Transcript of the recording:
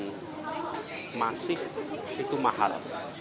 yang masif itu mahal